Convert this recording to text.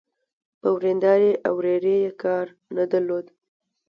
په وريندارې او ورېرې يې کار نه درلود.